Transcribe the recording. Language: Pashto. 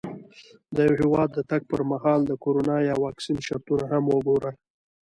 د یو هېواد د تګ پر مهال د کرونا یا واکسین شرطونه هم وګوره.